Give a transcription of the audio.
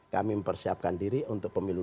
kami mempersiapkan diri untuk pemilu dua ribu empat